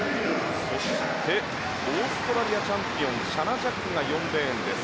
そしてオーストラリアチャンピオンシャナ・ジャックが４レーンです。